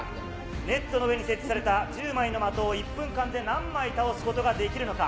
ネットの上に設置された１０枚の的を１分間で何枚倒すことができるのか。